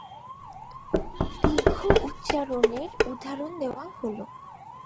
দীর্ঘ উচ্চারণের উদাহরণ দেওয়া হল।